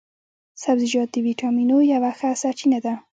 سبزیجات د ویټامینو یوه ښه سرچينه ده